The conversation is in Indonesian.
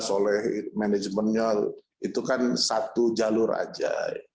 oleh manajemennya itu kan satu jalur aja